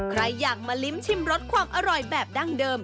ใครอยากมาลิ้มชิมรสความอร่อยแบบดั้งเดิม